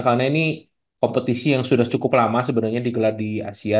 karena ini kompetisi yang sudah cukup lama sebenernya digelar di asia